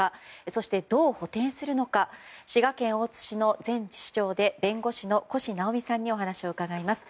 そして、どう補てんするのか滋賀県大津市の前市長で弁護士の越直美さんにお話を伺います。